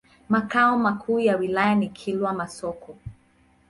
Makao makuu ya wilaya ni Kilwa Masoko.